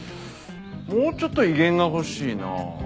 もうちょっと威厳が欲しいな。